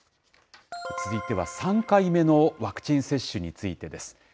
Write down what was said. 続いては、３回目のワクチン接種についてです。